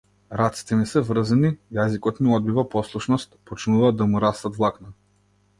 Рацете ми се врзани, јазикот ми одбива послушност, почнуваат да му растат влакна.